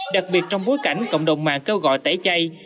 đặc biệt trong bối cảnh cộng đồng mạng kêu gọi tẩy chay